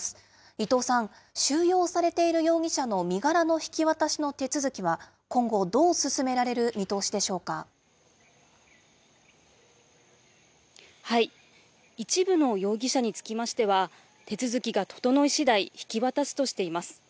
伊藤さん、収容されている容疑者の身柄の引き渡しの手続きは、今後、どう進一部の容疑者につきましては、手続きが整いしだい、引き渡すとしています。